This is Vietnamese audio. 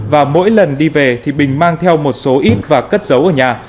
và mỗi lần đi về thì bình mang theo một số ít và cất giấu ở nhà